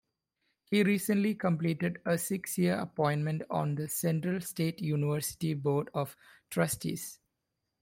He recently completed a six-year appointment on the Central State University Board of Trustees.